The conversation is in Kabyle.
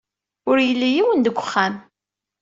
Ur yelli yiwen deg wexxam.